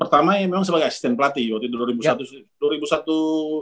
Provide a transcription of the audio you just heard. kamu namanya memang sebagai asisten pelatih waktu itu dua ribu satu